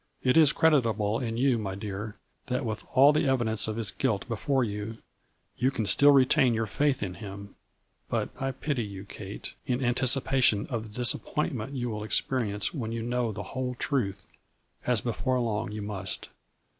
It is creditable in you, my dear, that, with all the evidence of his guilt be fore you, you can still retain your faith in him, A FLUli'BY IN DIAMONDS. 151 but I pity you, Kate, in anticipation of the dis appointment you will experience when you know the whole truth, as before long you must."